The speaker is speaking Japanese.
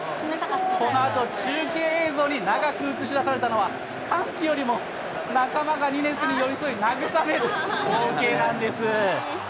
このあと中継映像に映されたのは、歓喜よりも仲間が寄り添い慰める光景なんです。